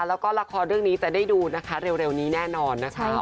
แล้วก็ละครเรื่องนี้จะได้ดูนะคะเร็วนี้แน่นอนนะคะ